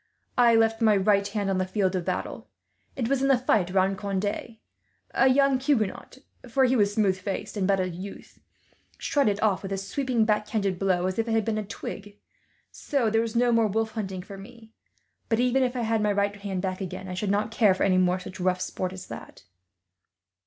"I left my right hand on the field of battle. It was in the fight round Conde. A young Huguenot for he was smooth faced, and but a youth shred it off with a sweeping backhanded blow, as if it had been a twig. So there is no more wolf hunting for me; but even if I had my right hand back again, I should not care for any more such rough sport as that."